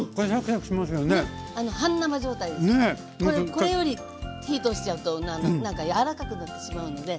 これより火通しちゃうとなんかやわらかくなってしまうので。